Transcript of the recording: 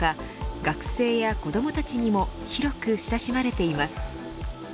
学生や子どもたちにも広く親しまれています。